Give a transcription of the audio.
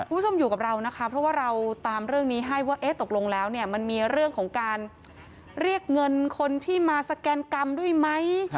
คุณผู้ชมอยู่กับเรานะคะเพราะว่าเราตามเรื่องนี้ให้ว่าเอ๊ะตกลงแล้วเนี่ยมันมีเรื่องของการเรียกเงินคนที่มาสแกนกรรมด้วยไหม